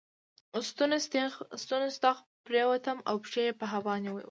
ستونی ستغ پر ووت او پښې یې په هوا ونیولې.